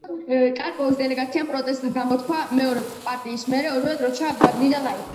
კარპოვის დელეგაციამ პროტესტი გამოთქვა; მეოთხე პარტიის მერე, ორივე დროშა მაგიდიდან აიღეს.